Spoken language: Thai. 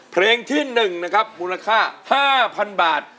เพลงที่๑นะครับมูลค่า๕๐๐๐บาท